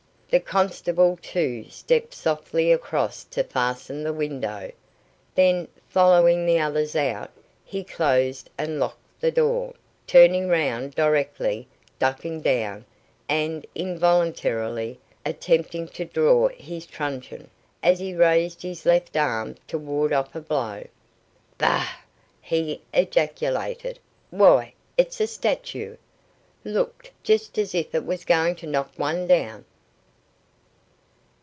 The constable, too, stepped softly across to fasten the window. Then, following the others out, he closed and locked the door, turning round directly, ducking down, and involuntarily attempting to draw his truncheon, as he raised his left arm to ward off a blow. "Bah!" he ejaculated. "Why, it's a stature. Looked just as if it was going to knock one down."